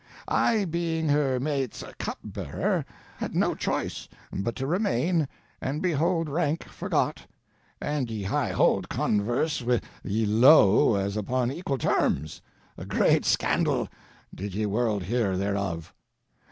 I being her maites cup bearer, had no choice but to remaine and beholde rank forgot, and ye high holde converse wh ye low as uppon equal termes, a grete scandal did ye world heare thereof.